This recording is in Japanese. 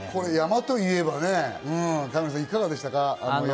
山と言えば、神野さん、いかがでしたか？